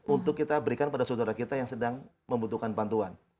untuk kita berikan pada saudara kita yang sedang membutuhkan bantuan